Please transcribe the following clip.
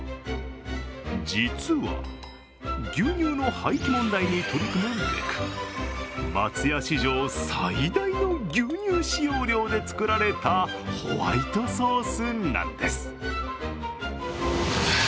実は牛乳の廃棄問題に取り組むべく、松屋史上最大の牛乳使用量で作られたホワイトソースなんです。